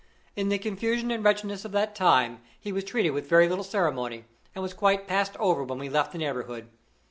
In the confusion and wretchedness of that time, he was treated with very little ceremony, and was quite passed over when we left the neighborhood.